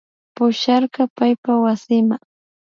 Pusharka paypa wasima